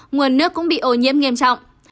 nguồn nước cũng bị ô nhiễm nghiêm trọng